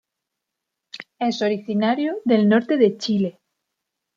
Es originario del norte de Chile.